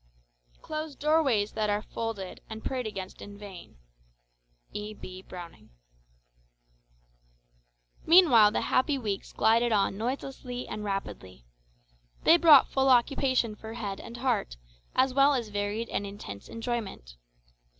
"Closed doorways that are folded And prayed against in vain" E. B. Browning Meanwhile the happy weeks glided on noiselessly and rapidly. They brought full occupation for head and heart, as well as varied and intense enjoyment.